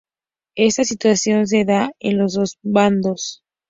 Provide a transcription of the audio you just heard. Esta situación se da en los dos bandos.